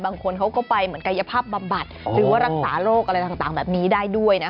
บางคนเขาก็ไปเหมือนกายภาพบำบัดหรือว่ารักษาโรคอะไรต่างแบบนี้ได้ด้วยนะคะ